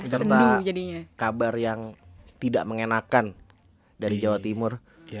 tentu kabar yang tidak mengenakan dari jawa timur